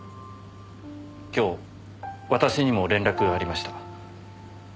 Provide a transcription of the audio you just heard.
今日私にも連絡がありました。